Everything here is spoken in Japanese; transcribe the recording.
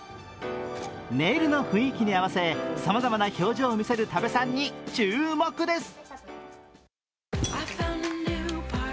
ネイルの雰囲気に合わせさまざまな表情を見せる多部さんに注目です。